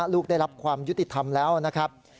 ลูกได้รับความยุติธรรมแล้วนะครับ